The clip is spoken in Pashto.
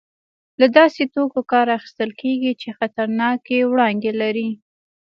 له داسې توکو کار اخیستل کېږي چې خطرناکې وړانګې لري.